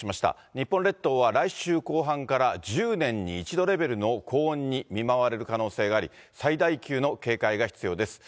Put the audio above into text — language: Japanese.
日本列島は来週後半から１０年に１度レベルの高温に見舞われる可能性があり、最大級の警戒が必要です。